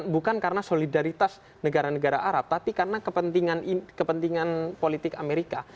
bukan karena solidaritas negara negara arab tapi karena kepentingan politik amerika